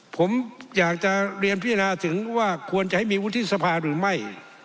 ผมอยากจะเรียนพิจารณาถึงว่าควรจะให้มีวุฒิสภาหรือไม่